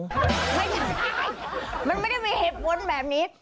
ไม่ได้มันไม่ได้มีเหตุผลแบบนี้